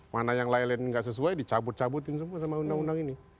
mana yang lain lain nggak sesuai dicabut cabutin semua sama undang undang ini